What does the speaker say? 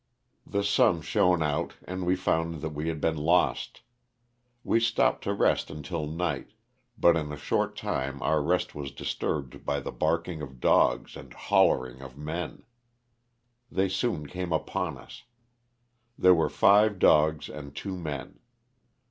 The sun shone out and we found that we had been lost. We stopped to rest until night, but in a short time our rest was disturbed by the barking of dogs and " hollering" of men. They soon came upon us. There were five dogs and two men.